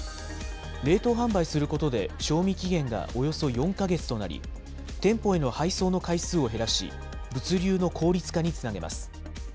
冷凍販売することで、賞味期限がおよそ４か月となり、店舗への配送の回数を減らし、物流の効率化につなげます。